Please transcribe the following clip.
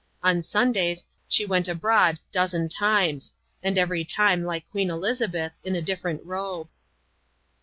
On Sundays, she went abroad dozen times ; and every time, like Queen Elizabeth, in a dif ferent robe.